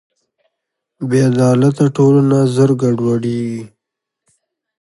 بېعدالته ټولنه ژر ګډوډېږي.